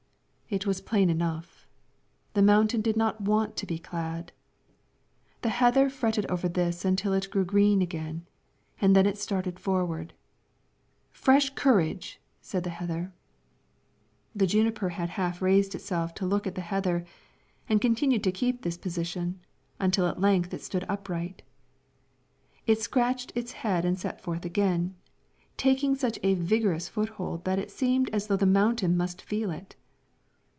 It was plain enough: the mountain did not want to be clad. The heather fretted over this until it grew green again, and then it started forward. "Fresh courage!" said the heather. The juniper had half raised itself to look at the heather, and continued to keep this position, until at length it stood upright. It scratched its head and set forth again, taking such a vigorous foothold that it seemed as though the mountain must feel it.